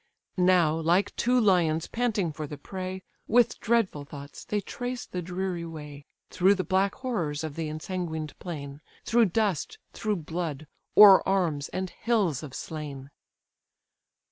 Now, like two lions panting for the prey, With dreadful thoughts they trace the dreary way, Through the black horrors of the ensanguined plain, Through dust, through blood, o'er arms, and hills of slain.